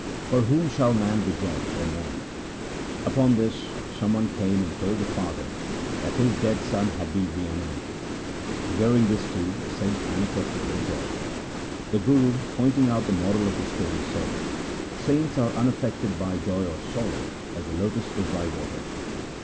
For whom shall man rejoice or mourn ?" Upon this some one came and told the father that his dead son had been re animated. On hearing this, too, the saint manifested no joy.' The Guru, pointing out the moral of his story, said, ' Saints are unaffected by joy or sorrow as the lotus is by water.'